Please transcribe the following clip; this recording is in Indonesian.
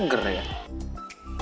mengutip dari laman resmi ditjen phk ke